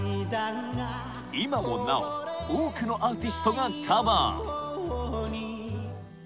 今もなお多くのアーティストがカバー